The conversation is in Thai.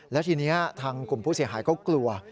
แล้วทีนี้ทางกลุ่มผู้เสียหายก็กลัว